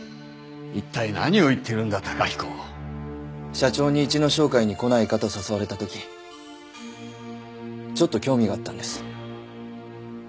社長に市野商会に来ないかと誘われた時ちょっと興味があったんです。